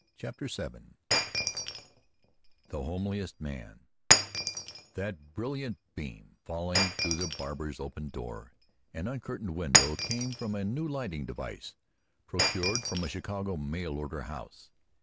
CHAPTER VII THE HOMELIEST MAN That brilliant beam falling through the barber's open door and uncurtained window came from a new lighting device, procured from a Chicago mail order house.